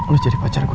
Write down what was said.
lo jadi pacar gue